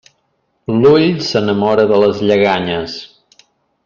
L'ull s'enamora de les lleganyes.